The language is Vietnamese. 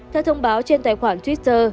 theo thông báo trên tài khoản twitter